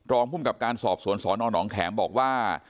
รองคุมกับการสอบสวนสอนอ่อนหองแขมบอกว่า